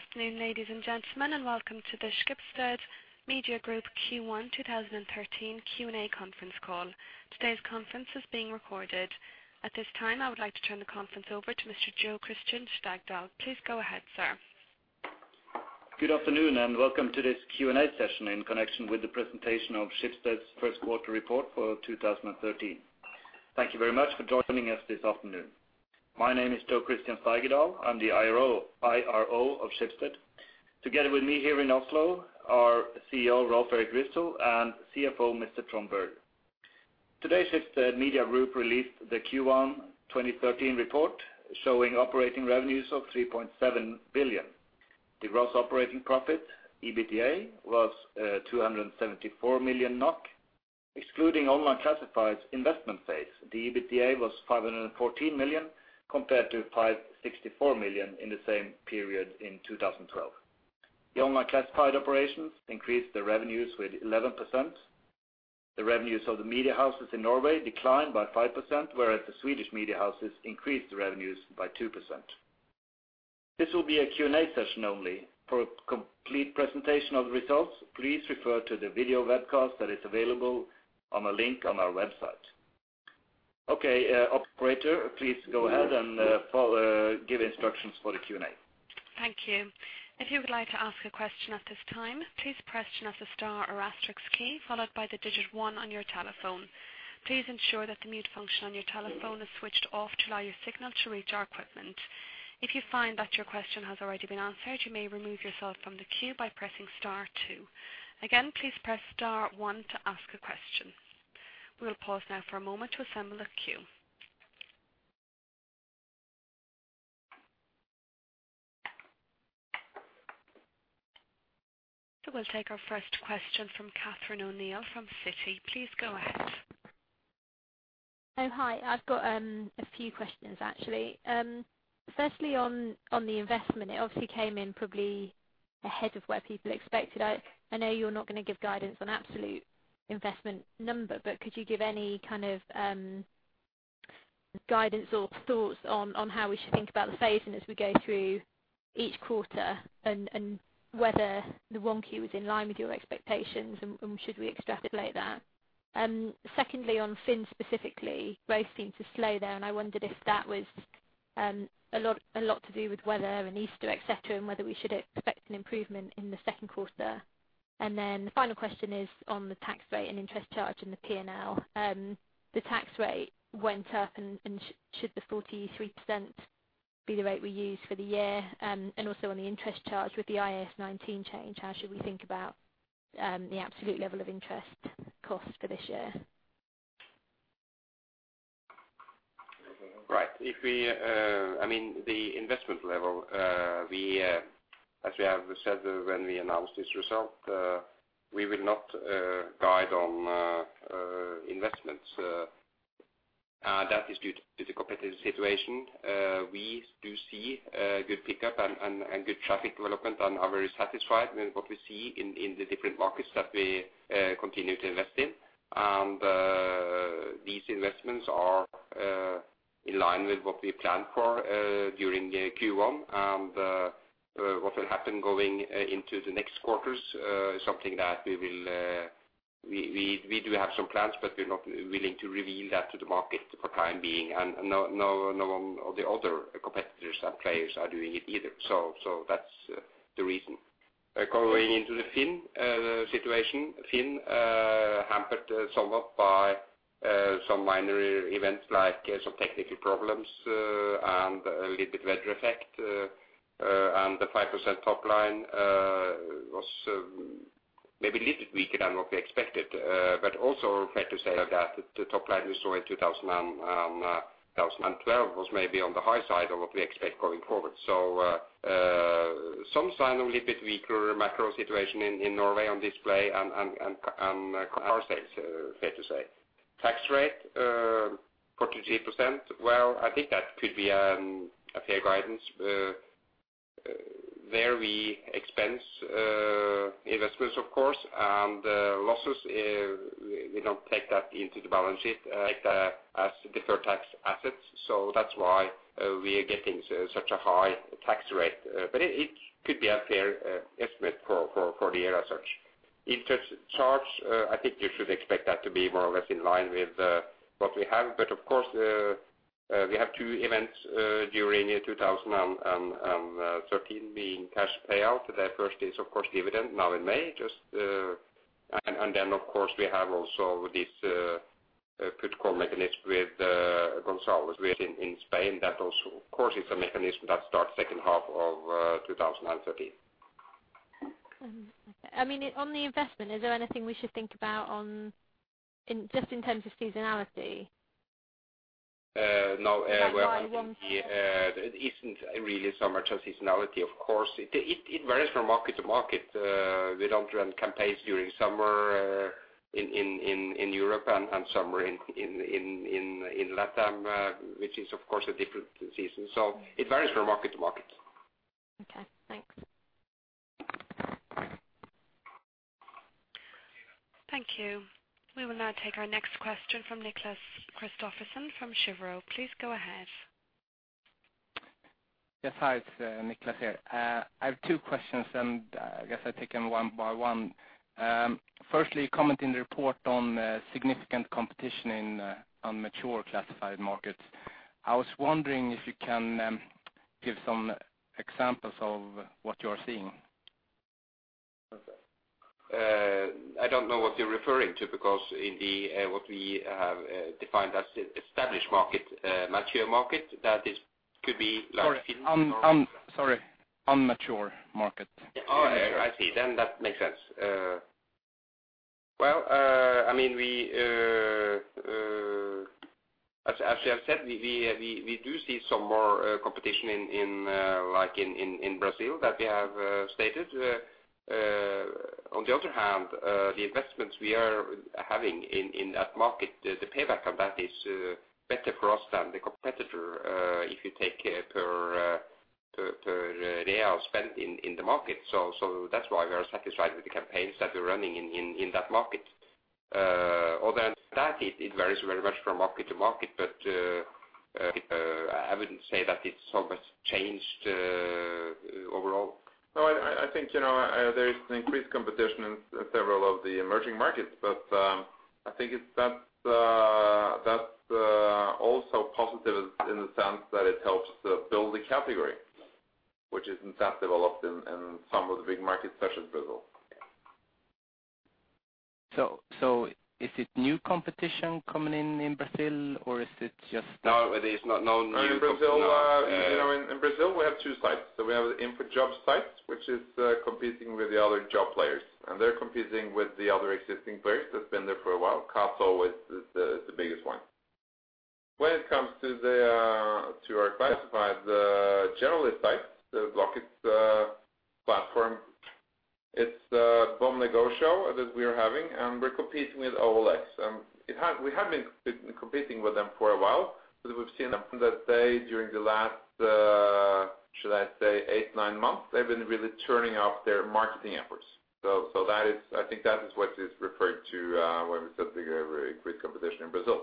Afternoon, ladies and gentlemen, welcome to the Schibsted Media Group Q1 2013 Q&A conference call. Today's conference is being recorded. At this time, I would like to turn the conference over to Mr. Jo Christian Steigedal. Please go ahead, sir. Good afternoon and welcome to this Q&A session in connection with the presentation of Schibsted's first quarter report for 2013. Thank you very much for joining us this afternoon. My name is Jo Christian Steigedal. I'm the IRO of Schibsted. Together with me here in Oslo are CEO, Rolv Erik Ryssdal and CFO, Mr. Trond Berger. Today, Schibsted Media Group released the Q1 2013 report showing operating revenues of 3.7 billion. The gross operating profit, EBITDA, was 274 million NOK. Excluding online classifieds investment phase, the EBITDA was 514 million compared to 564 million in the same period in 2012. The online classified operations increased their revenues with 11%. The revenues of the media houses in Norway declined by 5%, whereas the Swedish media houses increased the revenues by 2%. This will be a Q&A session only. For a complete presentation of the results, please refer to the video webcast that is available on a link on our website. Okay, operator, please go ahead and give instructions for the Q&A. Thank you. If you would like to ask a question at this time, please press the star or asterisk key followed by the one on your telephone. Please ensure that the mute function on your telephone is switched off to allow your signal to reach our equipment. If you find that your question has already been answered, you may remove yourself from the queue by pressing star two. Again, please press star one to ask a question. We will pause now for a moment to assemble the queue. We'll take our first question from Catherine O'Neill from Citi. Please go ahead. Hi. I've got a few questions, actually. Firstly, on the investment. It obviously came in probably ahead of where people expected. I know you're not gonna give guidance on absolute investment number, but could you give any kind of guidance or thoughts on how we should think about the phase and as we go through each quarter and whether the 1Q is in line with your expectations and should we extrapolate that? Secondly, on FINN specifically, growth seems to slow there, and I wondered if that was a lot to do with weather and Easter, et cetera, and whether we should expect an improvement in the second quarter. The final question is on the tax rate and interest charge in the P&L. The tax rate went up and, should the 43% be the rate we use for the year? Also, on the interest charge with the IAS 19 change, how should we think about the absolute level of interest cost for this year? Right. If we, I mean, the investment level, we, as we have said when we announced this result, we will not guide on investments. That is due to the competitive situation. We do see good pickup and good traffic development and are very satisfied with what we see in the different markets that we continue to invest in. These investments are in line with what we planned for during the Q1. What will happen going into the next quarters, is something that we will, we do have some plans, but we're not willing to reveal that to the market for time being. None of the other competitors and players are doing it either. That's the reason. Going into the FINN situation. FINN hampered somewhat by some minor events like some technical problems and a little bit weather effect and the 5% top line was maybe a little bit weaker than what we expected. Also fair to say that the top line we saw in 2012 was maybe on the high side of what we expect going forward. Some sign a little bit weaker macro situation in Norway on display and car sales, fair to say. Tax rate, 43%. I think that could be a fair guidance. There we expense investments of course, and losses, we don't take that into the balance sheet as deferred tax assets. That's why we are getting such a high tax rate. It, it could be a fair estimate for, for the year as such. Interest charge, I think you should expect that to be more or less in line with what we have. Of course, we have two events during 2013 being cash payout. The first is of course dividend now in May, just, and then of course we have also this put-call mechanism with Gonçalo as we have in Spain. That also of course is a mechanism that starts second half of 2013. Mm-hmm. I mean, on the investment, is there anything we should think about on in, just in terms of seasonality? No. Well. That line. There isn't really so much of seasonality. Of course, it varies from market to market. We don't run campaigns during summer in Europe and summer in Latam, which is of course a different season. It varies from market to market. Okay, thanks. Thank you. We will now take our next question from Nicholas Christopherson from Cheuvreux. Please go ahead. Yes, hi, it's Nicholas here. I have two questions, and I guess I take them one by one. Firstly, comment in the report on significant competition in immature classified markets. I was wondering if you can give some examples of what you are seeing? I don't know what you're referring to because in the, what we have, defined as e-established market, mature market, could be like. Sorry, immature market. Oh, yeah. I see. That makes sense. Well, I mean, we, as I said, we do see some more competition in, like in Brazil that we have stated. On the other hand, the investments we are having in that market, the payback on that is better for us than the competitor, if you take it per real spend in the market. That's why we are satisfied with the campaigns that we're running in that market. Other than that, it varies very much from market to market, but I wouldn't say that it's so much changed, overall. No, I think, you know, there is increased competition in several of the emerging markets, but I think it's that also positive in the sense that it helps to build a category which isn't that developed in some of the big markets such as Brazil. Is it new competition coming in in Brazil or is it? No, it is not. No new competition. In Brazil, you know, in Brazil, we have two sites. We have the input job site, which is competing with the other job players, and they're competing with the other existing players that's been there for a while. Catho is the biggest one. When it comes to the to our classifieds, generally, sites, the Blocket's platform, it's Bom Negócio that we are having, and we're competing with OLX. We have been competing with them for a while, but we've seen them from that day during the last eight, nine months, they've been really turning up their marketing efforts. That is, I think that is what is referred to when we said the great competition in Brazil.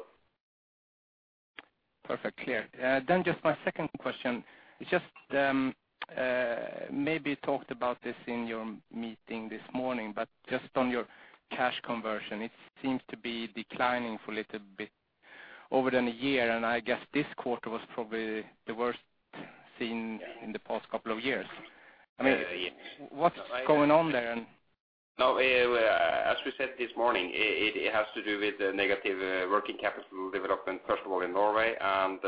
Perfect. Clear. Just my second question. You just maybe talked about this in your meeting this morning, but just on your cash conversion, it seems to be declining for a little bit over than a year, and I guess this quarter was probably the worst seen in the past couple of years. I mean, what's going on there? No, as we said this morning, it has to do with the negative working capital development, first of all, in Norway and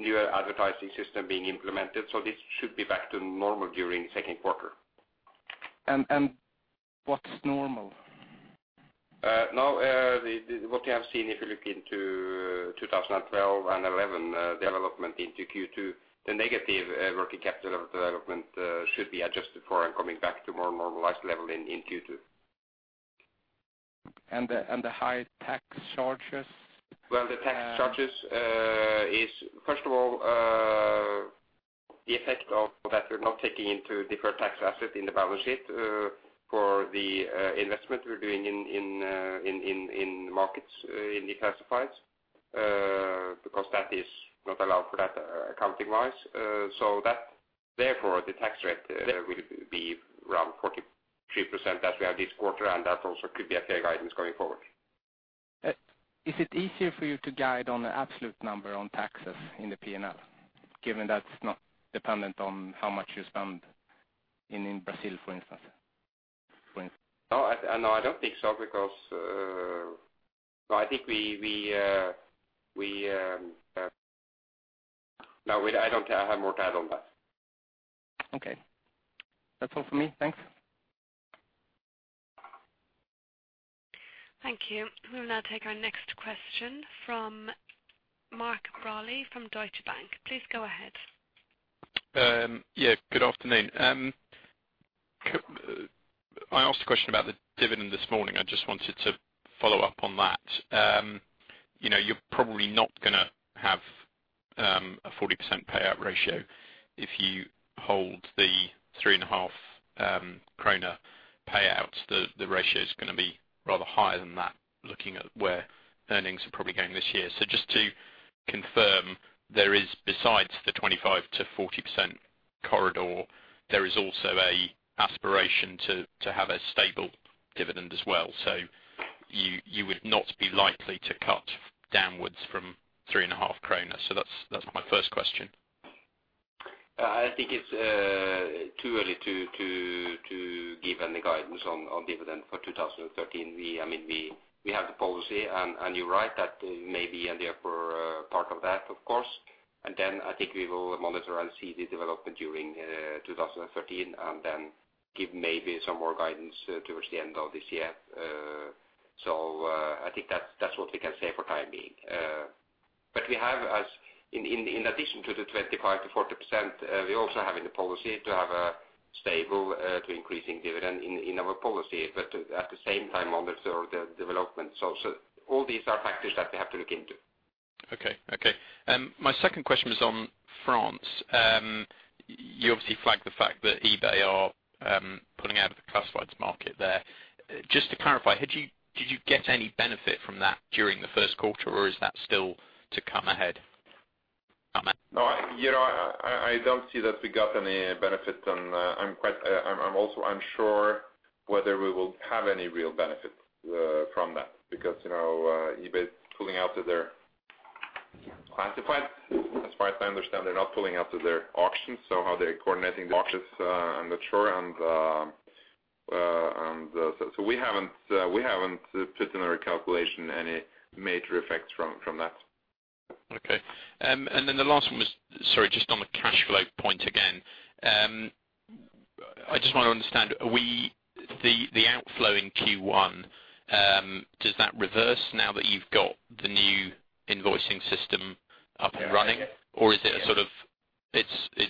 new advertising system being implemented. This should be back to normal during second quarter. What's normal? Now, what you have seen if you look into 2012 and 2011, development into Q2, the negative, working capital development, should be adjusted for and coming back to more normalized level in Q2. The high tax charges? The tax charges is first of all the effect of that we're not taking into deferred tax asset in the balance sheet for the investment we're doing in markets in the classifieds because that is not allowed for that accounting-wise. That therefore the tax rate will be around 43% that we have this quarter, and that also could be a fair guidance going forward. Is it easier for you to guide on the absolute number on taxes in the P&L, given that's not dependent on how much you spend in Brazil, for instance? For instance. No, I don't think so, because. No, I think we. No, I don't have more to add on that. Okay. That's all for me. Thanks. Thank you. We will now take our next question from Mark Braley from Deutsche Bank. Please go ahead. Yeah, good afternoon. I asked a question about the dividend this morning. I just wanted to follow up on that. You know, you're probably not gonna have a 40% payout ratio if you hold the 3.5 kroner payouts. The ratio is gonna be rather higher than that, looking at where earnings are probably going this year. Just to confirm, there is besides the 25%-40% corridor, there is also an aspiration to have a stable dividend as well. You would not be likely to cut downwards from 3.5 kroner. That's my first question. I think it's too early to give any guidance on dividend for 2013. I mean, we have the policy, and you're right that it may be in the upper part of that, of course. I think we will monitor and see the development during 2013 and give maybe some more guidance towards the end of this year. I think that's what we can say for time being. We have in addition to the 25%-40%, we also have in the policy to have a stable to increasing dividend in our policy, but at the same time monitor the development. All these are factors that we have to look into. Okay. Okay. My second question was on France. You obviously flagged the fact that eBay are pulling out of the classifieds market there. Just to clarify, did you get any benefit from that during the first quarter, or is that still to come ahead? No, you know, I don't see that we got any benefits, and I'm also unsure whether we will have any real benefits from that because, you know, eBay is pulling out of their classifieds. As far as I understand, they're not pulling out of their auctions, so how they're coordinating the auctions, I'm not sure. So, we haven't, we haven't put in our calculation any major effects from that. Okay. Sorry, just on the cash flow point again. I just want to understand, the outflow in Q1, does that reverse now that you've got the new invoicing system up and running? Yeah. Is it a sort of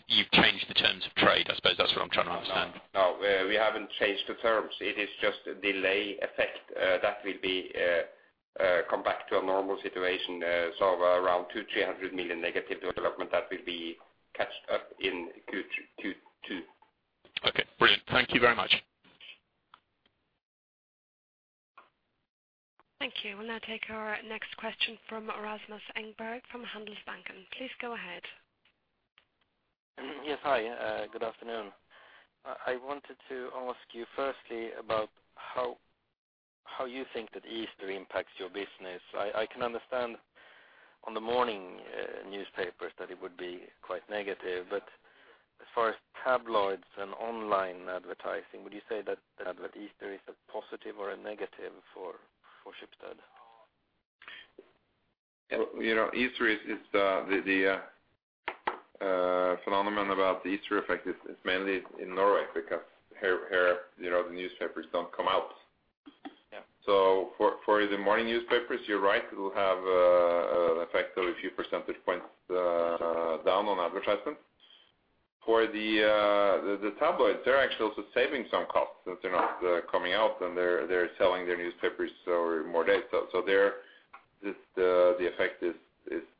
you've changed the terms of trade? I suppose that's what I'm trying to understand. No. No. We haven't changed the terms. It is just a delay effect, that will be come back to a normal situation, around 200-300 million negative development that will be catch up in Q2. Okay. Brilliant. Thank you very much. Thank you. We'll now take our next question from Rasmus Engberg from Handelsbanken. Please go ahead. Yes. Hi, good afternoon. I wanted to ask you firstly about how you think that Easter impacts your business. I can understand on the morning newspapers that it would be quite negative, but as far as tabloids and online advertising, would you say that Easter is a positive or a negative for Schibsted? You know, Easter is the phenomenon about the Easter effect is mainly in Norway because here, you know, the newspapers don't come out. Yeah. For the morning newspapers, you're right. It will have an effect of a few percentage points down on advertisements. For the tabloids, they're actually also saving some costs since they're not coming out, and they're selling their newspapers over more days. There, the effect is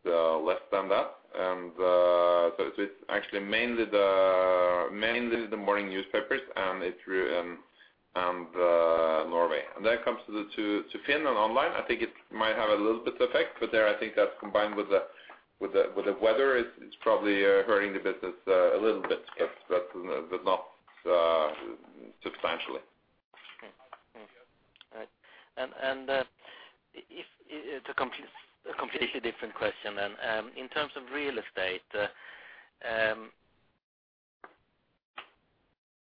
less than that. It's actually mainly the morning newspapers, and Norway. When it comes to FINN and online, I think it might have a little bit effect. There, I think that's combined with the weather, it's probably hurting the business a little bit, but not substantially. Mm-hmm. Mm-hmm. All right. If it's a completely different question then. In terms of real estate,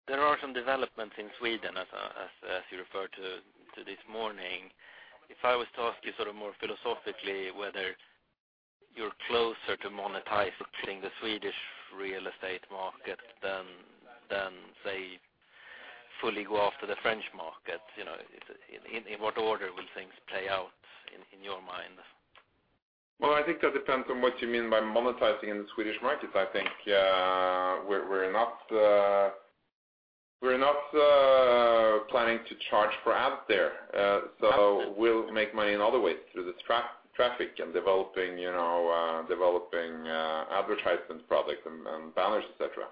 there are some developments in Sweden as, as you referred to this morning. If I was to ask you sort of more philosophically whether you're closer to monetizing the Swedish real estate market than, say, fully go after the French market, you know, in what order will things play out in your mind? Well, I think that depends on what you mean by monetizing in the Swedish market. I think, we're not planning to charge for ads there. We'll make money in other ways through this traffic and developing, you know, developing, advertisement products and banners, et cetera.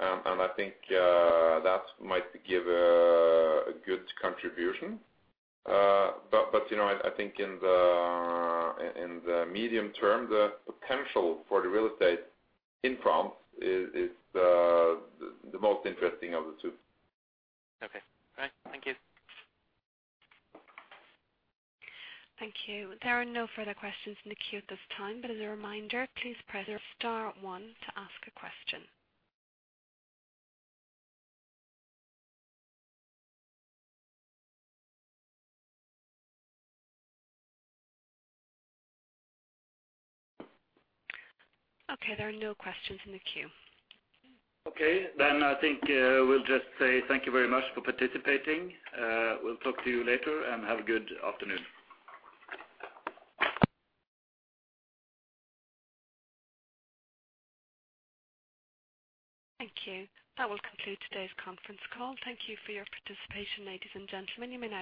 I think that might give a good contribution. You know, I think in the medium term, the potential for the real estate in France is the most interesting of the two. Okay. All right. Thank you. Thank you. There are no further questions in the queue at this time, but as a reminder, please press star one to ask a question. Okay, there are no questions in the queue. Okay. I think, we'll just say thank you very much for participating. We'll talk to you later and have a good afternoon. Thank you. That will conclude today's conference call. Thank you for your participation, ladies and gentlemen.